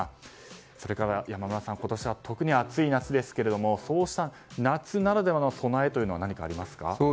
それから、山村さん今年は特に暑い夏ですがそうした夏ならではの備えは何かありますか？